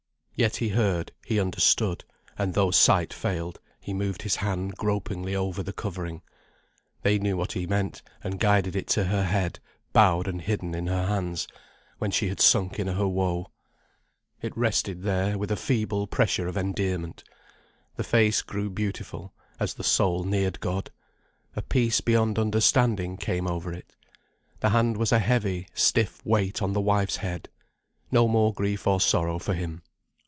Yet he heard, he understood, and though sight failed, he moved his hand gropingly over the covering. They knew what he meant, and guided it to her head, bowed and hidden in her hands, when she had sunk in her woe. It rested there, with a feeble pressure of endearment. The face grew beautiful, as the soul neared God. A peace beyond understanding came over it. The hand was a heavy, stiff weight on the wife's head. No more grief or sorrow for him.